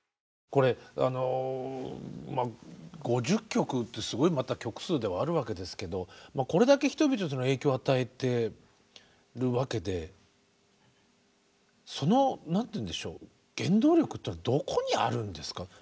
５０曲ってすごい曲数ではあるわけですけどこれだけ人々に影響を与えてるわけでその何て言うんでしょう原動力というのはどこにあるんですか？